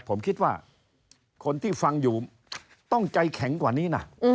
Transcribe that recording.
ผมคิดว่าคนที่ฟังอยู่ต้องใจแข็งกว่านี้นะ